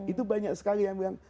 itu banyak sekali yang bilang